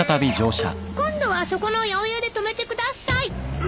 今度はそこの八百屋で止めてください。